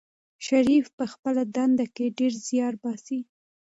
شریف په خپله دنده کې ډېر زیار باسي.